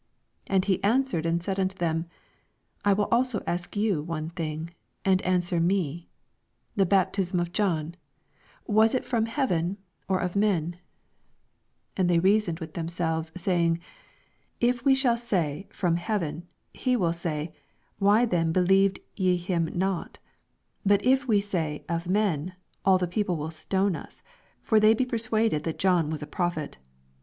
3 And he answered and said unto them, I will also ask you one thing ; and answer me : 4 The baptism of John, was it from heaven, or of men f 5 And they reasoned with them selves, saving, If we shall say, From heaven ; he will say, Why uien be lieved ye him not f 6 But and if we say. Of men ; all the people will stone us : for they be persuaded that John was a prophet.